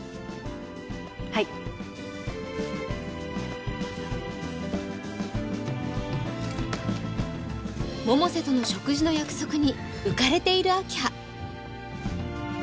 はい百瀬との食事の約束に浮かれている明葉